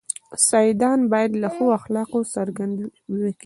سيدان بايد د ښو اخلاقو څرګندونه وکي.